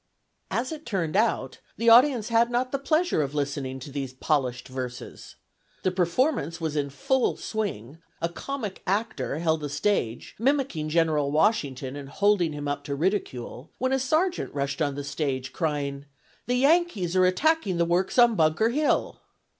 As it turned out, the audience had not the pleasure of listening to these polished verses. The performance was in full swing; a comic actor held the stage, mimicking General Washington and holding him up to ridicule, when a sergeant rushed on the stage, crying, "The Yankees are attacking the works on Bunker Hill!"